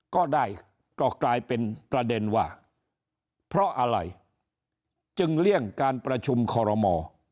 ก็ได้ก็กลายเป็นประเด็นว่าเพราะอะไรจึงเลี่ยงการประชุมคอรมอ